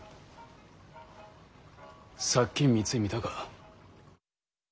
さっきん三井見たか？